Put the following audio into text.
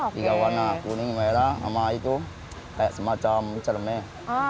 tiga warna kuning merah sama itu kayak semacam cermeh